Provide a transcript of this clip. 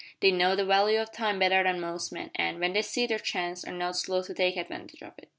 They know the value o' time better than most men, and, when they see their chance, are not slow to take advantage of it.